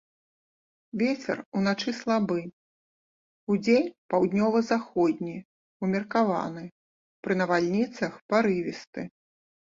Вецер уначы слабы, удзень паўднёва-заходні умеркаваны, пры навальніцах парывісты.